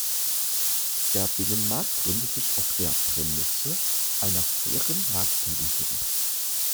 Der Binnenmarkt gründet sich auf der Prämisse einer fairen Marketingumgebung.